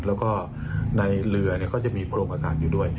แล้วก็ในเรือก็จะมีโพรงสารอยู่ด้วย